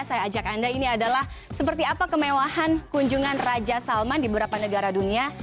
saya ajak anda ini adalah seperti apa kemewahan kunjungan raja salman di beberapa negara dunia